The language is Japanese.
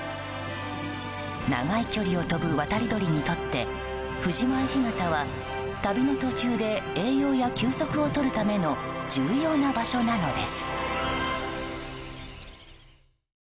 長い距離を飛ぶ渡り鳥にとって藤前干潟は、旅の途中で栄養や休息をとるための重要な場所なのです。